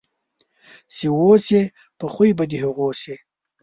چې اوسې په خوی په د هغو سې.